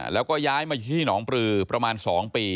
แล้วก็ย้ายมาจุดที่นพประมาณ๒ปี